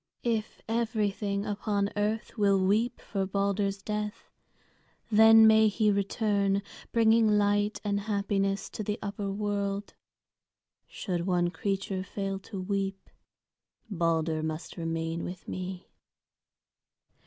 If everything upon earth will weep for Balder's death, then may he return, bringing light and happiness to the upper world. Should one creature fail to weep, Balder must remain with me."